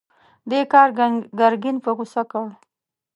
دې کار ګرګين په غوسه کړ.